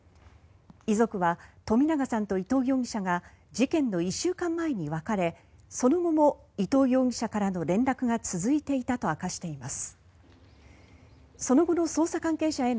遺族は、冨永さんと伊藤容疑者が事件の１週間前に別れその後も伊藤容疑者からの連絡が続いていたと明かしています。